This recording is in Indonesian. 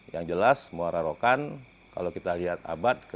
yang jelas muara rokan kalau kita lihat abad ke sembilan belas